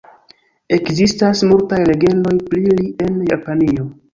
Ekzistas multaj legendoj pri li en Japanio.